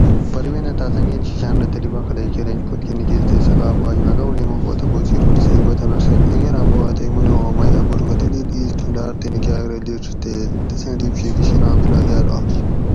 پروینہ تاۤس انگۤن شی شاۤن رہ تلی پخۤلئی کۤرینش پتکہ نِکیس تے سہ غاۤپ آش مہ گاونڑی ما پا تپوس کِیر پرہ صحیح پتہ نہ ڛت انگۤراۤں پواۤ اتیک منو اوں مئی ا بورقہ تلیل اِیس تُھوں لاۤر تھی نِکاۤگ رہ لِیڄ تے تسیں ڈِیب شی کِشکناں بِلاۤگاۤل آش